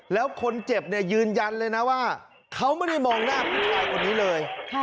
แล้วคนเจ็บเนี่ยยืนยันเลยนะว่าเขาไม่ได้มองหน้าผู้ชายคนนี้เลย